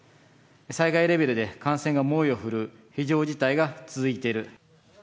災害レベルで感染が猛威を振るう非常事態が続いている。